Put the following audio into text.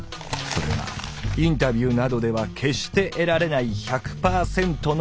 それはインタビューなどでは決して得られない１００％の「リアル」！